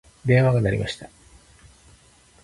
電話が鳴りました。